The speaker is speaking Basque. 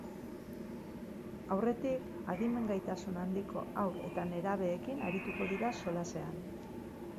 Aurretik, adimen-gaitasun handiko haur eta nerabeekin arituko dira solasean.